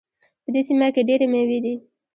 په دې سیمه کې ډېري میوې دي